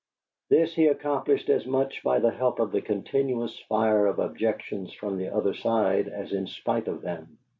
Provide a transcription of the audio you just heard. This he accomplished as much by the help of the continuous fire of objections from the other side as in spite of them.